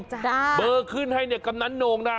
จ้ะเบอร์ขึ้นให้กำนันโหนนะ